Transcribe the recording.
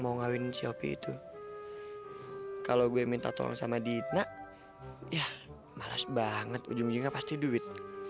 mau ngawin shopee itu kalau gue minta tolong sama dina ya malas banget ujung ujungnya pasti duit